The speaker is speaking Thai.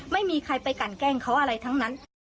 ไม่มีใครไปกันแกล้งเขาอะไรทั้งนั้น